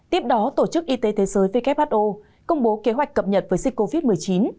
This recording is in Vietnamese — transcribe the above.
tiếp đó tổ chức y tế thế giới who công bố kế hoạch cập nhật với dịch covid một mươi chín